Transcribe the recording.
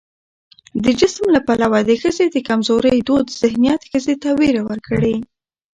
د جسم له پلوه د ښځې د کمزورۍ دود ذهنيت ښځې ته ويره ورکړې